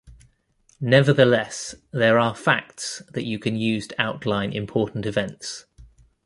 Nevertheless, there are facts that you can use to outline important events.